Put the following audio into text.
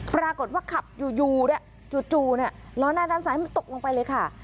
ปรากฏว่าขับอยู่เนี่ยจู่ล้อหน้าด้านซ้ายมันตกลงไปเลยค่ะ